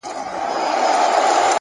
ثابت قدم انسان منزل ته رسېږي,